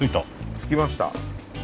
着きました。